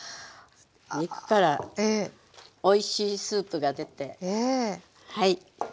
肉からおいしいスープが出てはい